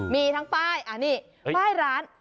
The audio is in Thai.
มีทั้งป้ายไม้ร้าน